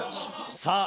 さあ